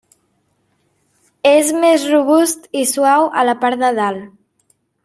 És més robust i suau a la part de dalt.